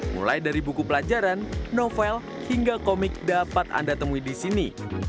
mulai dari buku pelajaran novel hingga komik dapat anda temui di sini